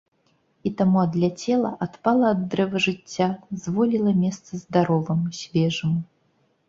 І таму адляцела, адпала ад дрэва жыцця, зволіла месца здароваму, свежаму.